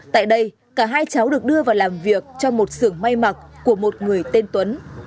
tại đây cả hai cháu được đưa vào làm việc trong một xưởng may mặc của một người tên tuấn